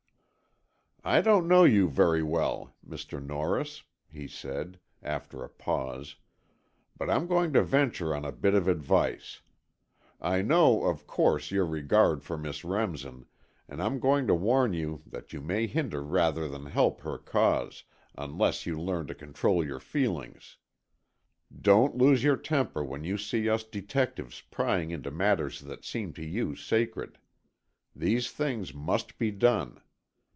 "I don't know you very well, Mr. Norris," he said, after a pause, "but I'm going to venture on a bit of advice. I know, of course, your regard for Miss Remsen, and I'm going to warn you that you may hinder rather than help her cause, unless you learn to control your feelings. Don't lose your temper when you see us detectives prying into matters that seem to you sacred. These things must be done.